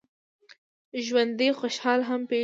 ژوندي خوشحالي هم پېژني